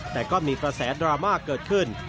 แต่ก็มีกระแสดราม่าเกิดขึ้น